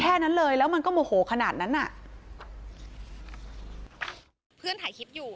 แค่นั้นเลยแล้วมันก็โมโหขนาดนั้นอ่ะเพื่อนถ่ายคลิปอยู่